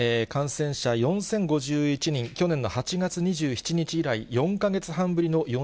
感染者４０５１人、去年の８月２７日以来４か月半ぶりの４０００